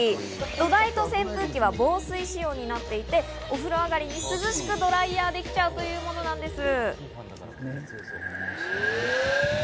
土台と扇風機は防水仕様になっていて、お風呂上りに涼しくドライヤーできちゃうというものなんです。